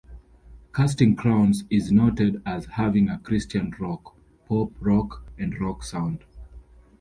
"Casting Crowns" is noted as having a Christian rock, pop rock and rock sound.